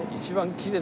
きれい。